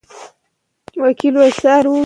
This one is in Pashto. مور د ماشومانو د غسل وخت نه هېروي.